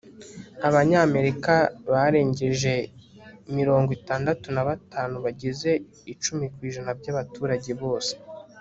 abanyamerika barengeje mirongo itandatu na batanu bagize icumi ku ijana byabaturage bose